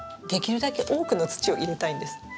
できるだけ多くの土を入れたいんです。